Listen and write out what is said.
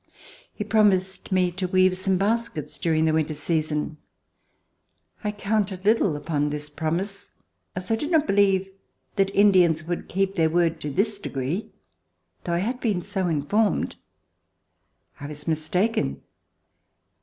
He promised me to weave some baskets during the winter season. I counted little upon this promise, as I did not believe that Indians COUNTRY LIFE would keep their word to this degree, although I had been so informed. 1 was mistaken.